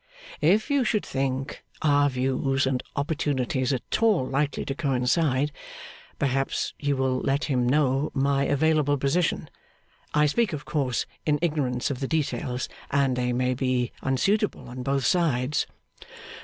If you should think our views and opportunities at all likely to coincide, perhaps you will let him know my available position. I speak, of course, in ignorance of the details, and they may be unsuitable on both sides.